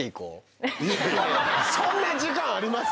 そんな時間あります？